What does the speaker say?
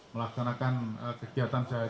melaksanakan kegiatan sehari hari dengan tenang dan aman